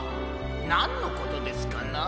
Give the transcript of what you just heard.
なんのことですかな？